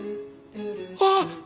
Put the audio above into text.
あっ！